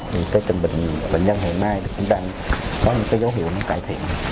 những cái trường bệnh bệnh nhân hiện nay cũng đang có những cái dấu hiệu nó cải thiện